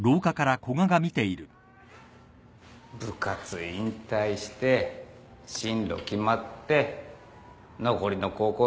部活引退して進路決まって残りの高校生活で恋愛か。